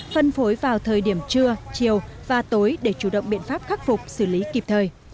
phân phối vào thời điểm trưa chiều và tối để chủ động biện pháp khắc phục xử lý kịp thời